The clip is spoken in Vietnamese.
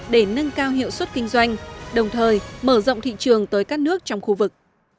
để nâng cao hiệu suất kinh doanh đồng thời mở rộng thị trường tới các nước trong khu vực